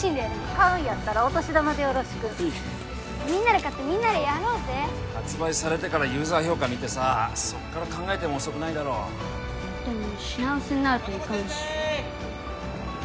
買うんやったらお年玉でよろしくみんなで買ってみんなでやろうぜ発売されてからユーザー評価見てさそっから考えても遅くないだろうでも品薄になるといかんし南雲先生！